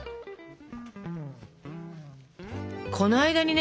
この間にね。